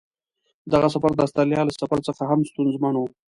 دغه سفر د استرالیا له سفر څخه هم ستونزمن و.